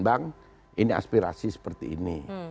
bang ini aspirasi seperti ini